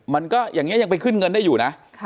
มันก็อย่างนี้ยังไปขึ้นเงินได้อยู่นะ